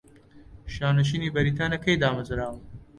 شانشینی بەریتانیا کەی دامەرزاوە؟